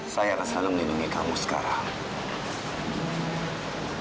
saya rasa selalu melindungi kamu sekarang